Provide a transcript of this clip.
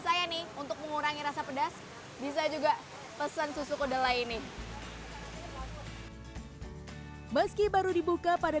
saya nih untuk mengurangi rasa pedas bisa juga pesan susu kudel lain nih meski baru dibuka pada